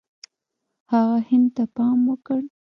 هغه هند ته پام وکړ.